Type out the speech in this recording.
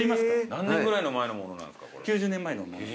何年ぐらい前のものなんですか？